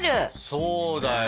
そうだよ。